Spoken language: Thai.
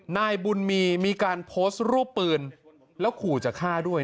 นายบุญมีมีการโพสต์รูปปืนแล้วขู่จะฆ่าด้วย